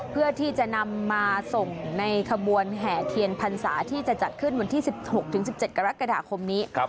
เพื่อที่จะนำมาส่งในขบวนแห่เทียนพรรษาที่จะจัดขึ้นวันที่๑๖๑๗กรกฎาคมนี้